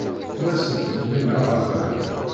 Ur asent-ḍmineɣ rrbeḥ.